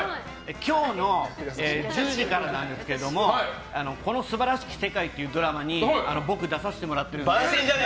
今日の１０時からなんですけど「この素晴らしき世界」というドラマに僕、出させてもらってるので。